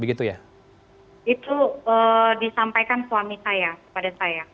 itu disampaikan suami saya